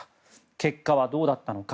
結果はどうだったのか。